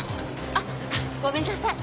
あっごめんなさい。